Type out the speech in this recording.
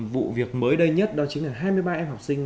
vụ việc mới đây nhất đó chính là hai mươi ba em học sinh